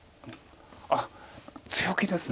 あっ強気です。